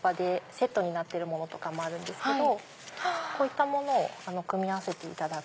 セットになってるものとかもあるんですけどこういったものを組み合わせていただく。